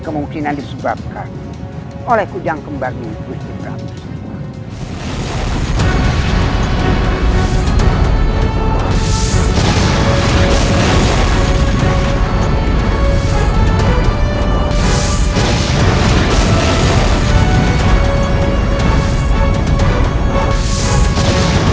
kemungkinan disebabkan oleh kudang kembar di wiburi pramusa